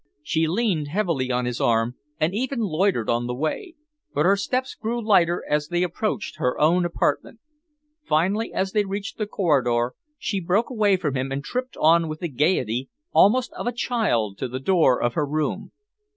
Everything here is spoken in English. She leaned heavily on his arm and even loitered on the way, but her steps grew lighter as they approached her own apartment. Finally, as they reached the corridor, she broke away from him and tripped on with the gaiety almost of a child to the door of her room.